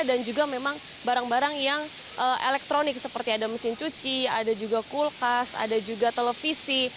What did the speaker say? dan juga barang barang yang elektronik seperti mesin cuci kulkas televisi